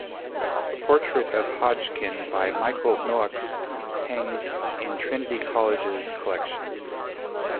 A portrait of Hodgkin by Michael Noakes hangs in Trinity College's collection.